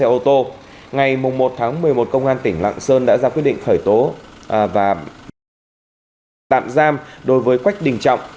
kết quả điều tra xác định vụ tai nạn giao thông xảy ra do quách đình trọng trú tại thành phố hạ long ngày một một mươi một công an tỉnh lạng sơn đã ra quyết định khởi tố và tạm giam đối với quách đình trọng